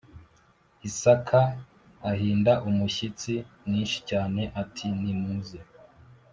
Isaka ahinda umushyitsi mwinshi cyane ati nimuze